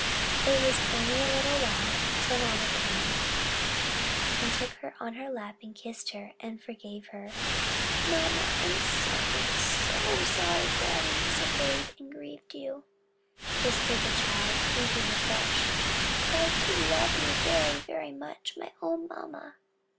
It was only a little while till mamma came, took her on her lap, kissed and forgave her. "Mamma, I'm so, so sorry for having disobeyed and grieved you!" whispered the child, weeping afresh: "for I do love you very, very much, my own mamma."